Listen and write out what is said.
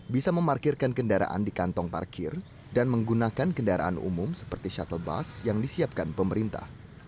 bisa memarkirkan kendaraan di kantong parkir dan menggunakan kendaraan umum seperti shuttle bus yang disiapkan pemerintah